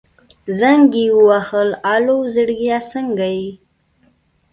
زنګ يې ووهه الو زړګيه څنګه يې.